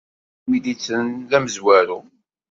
D nekk ay kem-id-yettren d amezwaru.